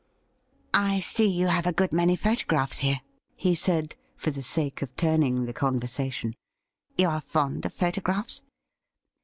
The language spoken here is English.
*I see you have a good many photographs here,' he said, JIM'S NEW ACQUAINTANCES 29 for the sake of turning the conversation. ' You are fond of photographs